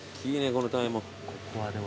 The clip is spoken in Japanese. このタイも。